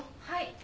はい。